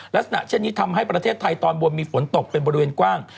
ลักษณะเช่นนี้ทำให้ประเทศไทยตอนบนมีฝนตกเป็นบริเวณกว้าง